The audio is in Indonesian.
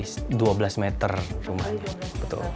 empat kali dua belas meter rumah ini